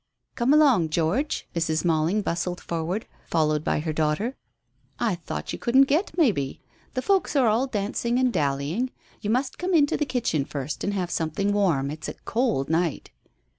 "Come along, George." Mrs. Malling bustled forward, followed by her daughter. "I thought you couldn't get, maybe. The folks are all dancing and dallying. You must come into the kitchen first and have something warm. It's a cold night."